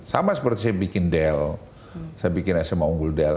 sama seperti saya bikin dell saya bikin sma unggul dell